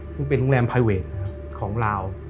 ซึ่งเป็นโรงแรมไพเวทของลาว